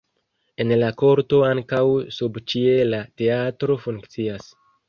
En la korto ankaŭ subĉiela teatro funkcias.